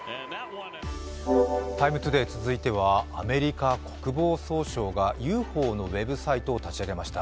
「ＴＩＭＥ，ＴＯＤＡＹ」続いてはアメリカ国防総省がＵＦＯのウェブサイトを立ち上げました。